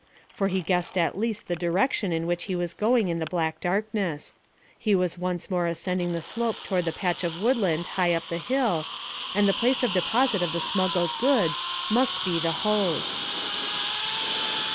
For he had guessed at least the direction in which he was going in the black darkness; he was once more ascending the slope toward the patch of woodland high up the hill, and the place of deposit of the smuggled goods must be the Hoze.